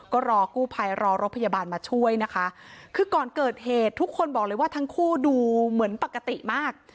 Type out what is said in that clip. ก็รอกู้ภัยรอรถพยาบาลมาช่วยนะคะคือก่อนเกิดเหตุทุกคนบอกเลยว่าทั้งคู่ดูเหมือนปกติมาก